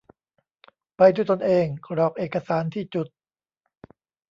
ไปด้วยตนเอง กรอกเอกสารที่จุด